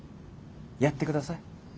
やってください。